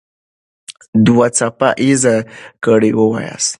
دوه څپه ايزه ګړې وواياست.